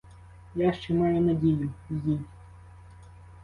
Я ще маю надію, їдь.